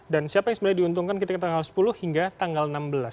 dan siapa yang sebenarnya diuntungkan ketika tanggal sepuluh hingga tanggal enam belas